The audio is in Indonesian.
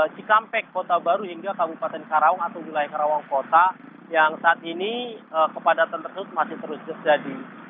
cikampek kota baru hingga kabupaten karawang atau wilayah karawang kota yang saat ini kepadatan tersebut masih terus terjadi